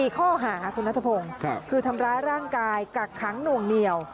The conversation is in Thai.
๔ข้อหาคุณนัทพงศ์คือทำร้ายร่างกายกักขังหน่วงเหนียว